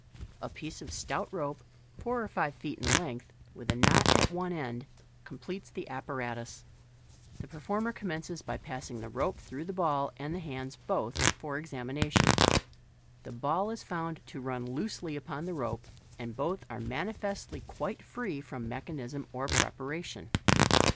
A piece of stout rope, four or five feet in length, with a knot at one end, com pletes the apparatus. The performer commences by passing the rope through the ball, and hands both for examination. The ball is found to run loosely upon the rope, and both are manifestly quite free from mechanism or preparation.